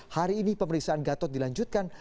hari ini pemeriksaan gatot dilanjutkan